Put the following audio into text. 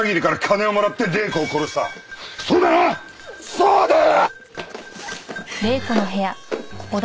そうだよ！